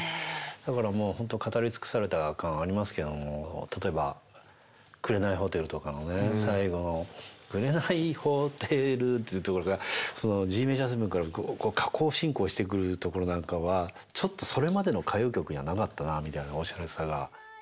だから本当語り尽くされた感ありますけども例えば「くれないホテル」とかのね最後の「くれないホテル」っていうところがＧメジャーセブンから下降進行してくるところなんかはちょっとそれまでの歌謡曲にはなかったなみたいなおしゃれさが。